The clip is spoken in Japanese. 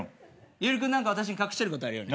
伊織君何か私に隠してることあるよね？